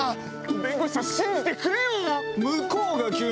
弁護士さん信じてくれよ！